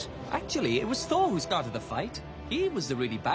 あっ。